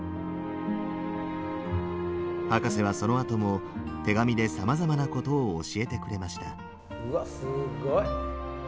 博士はそのあとも手紙でさまざまなことを教えてくれました。